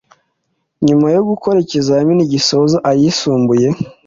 Nyuma yo gukora ikizamini gisoza ayisumbuye